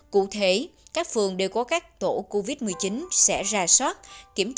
cụ thể các phường đều có các tổ covid một mươi chín sẽ ra soát